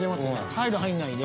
入る入んないで。